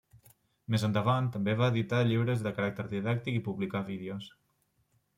Més endavant també va editar llibres de caràcter didàctic i publicà vídeos.